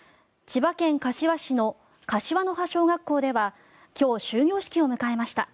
千葉県柏市の柏の葉小学校では今日、終業式を迎えました。